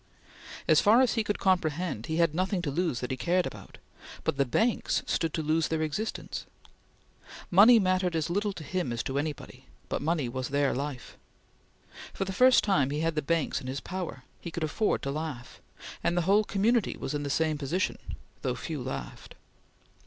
As far as he could comprehend, he had nothing to lose that he cared about, but the banks stood to lose their existence. Money mattered as little to him as to anybody, but money was their life. For the first time he had the banks in his power; he could afford to laugh; and the whole community was in the same position, though few laughed.